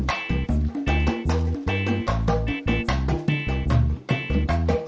ada kang mus